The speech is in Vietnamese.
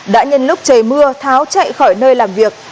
đã nhân lúc trời mưa tháo chạy khỏi nơi làm việc